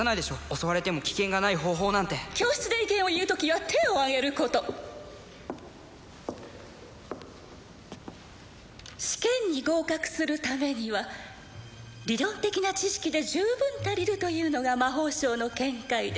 襲われても危険がない方法なんて教室で意見を言う時は手を挙げること試験に合格するためには理論的な知識で十分足りるというのが魔法省の見解です